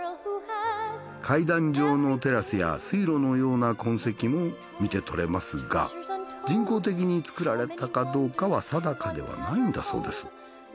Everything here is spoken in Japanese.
階段状のテラスや水路のような痕跡も見てとれますが人工的に作られたかどうかは定かではないんだそうです。